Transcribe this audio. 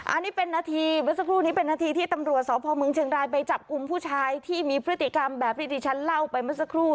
อันนี้เป็นนาทีเมื่อสักครู่นี้เป็นนาทีที่ตำรวจสพเมืองเชียงรายไปจับกลุ่มผู้ชายที่มีพฤติกรรมแบบที่ที่ฉันเล่าไปเมื่อสักครู่